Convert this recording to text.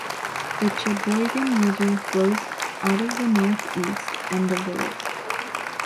The Cheboygan River flows out of the northeast end of the lake.